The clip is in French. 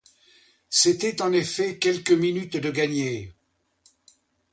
C'étaient en effet quelques minutes de gagnées.